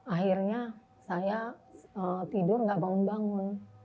akhirnya saya tidur nggak bangun bangun